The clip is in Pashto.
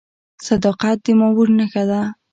صداقت د مامور نښه ده؟